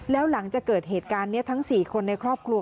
แล้วหลังจากเกิดเหตุการณ์นี้ทั้ง๔คนในครอบครัว